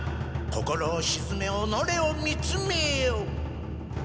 心をしずめおのれを見つめよ。